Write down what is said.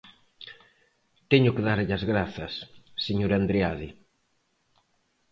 Teño que darlle as grazas, señor Andreade.